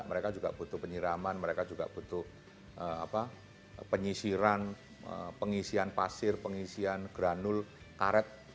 mereka juga butuh penyiraman mereka juga butuh penyisiran pengisian pasir pengisian granul karet